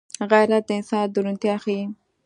غیرت د انسان درونتيا ښيي